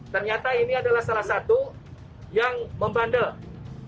ternyata ini adalah salah satu yang membandel